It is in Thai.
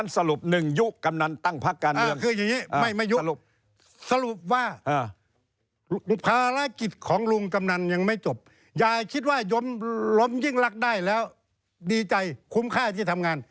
สรุปนึงยุตั้งพักการเนื้อง